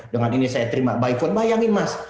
dengan ini saya terima bayangin mas